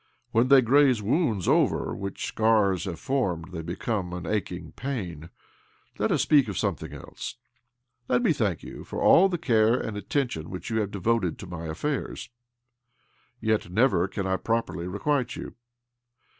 When they graze wounds over which scars have formed they become an aching pain. Let us speak of something else. Let me thank you for all the care and attention which OBLOMOV 245 you have devoted to my affairs'. Yet never can I properly requite you.